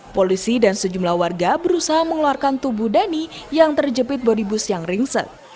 polisi dan sejumlah warga berusaha mengeluarkan tubuh dhani yang terjepit bodi bus yang ringsek